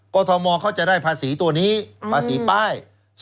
กรทมเขาจะได้ภาษีตัวนี้ภาษีป้าย